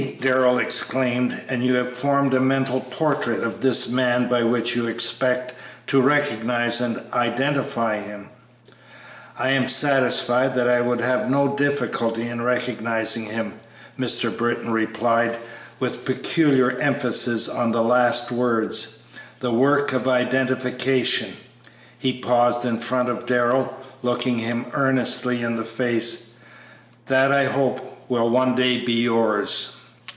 Darrell exclaimed; "and you have formed a mental portrait of this man by which you expect to recognize and identify him?" "I am satisfied that I would have no difficulty in recognizing him," Mr. Britton replied, with peculiar emphasis on the last words; "the work of identification," he paused in front of Darrell, looking him earnestly in the face, "that, I hope, will one day be yours."